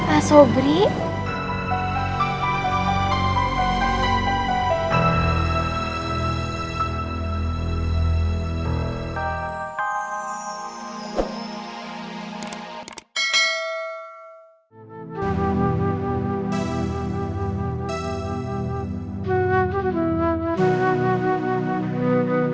assalamualaikum pak ustadz